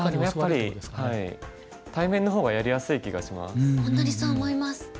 やっぱり対面の方がやりやすい気がします。